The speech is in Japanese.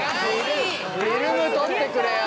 フィルム取ってくれよ。